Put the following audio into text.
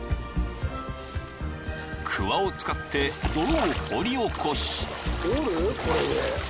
［くわを使って泥を掘り起こし］